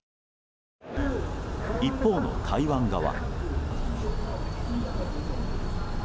一方の台湾側。